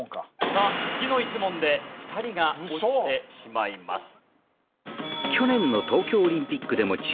さあ次の１問で２人が落ちてしまいます。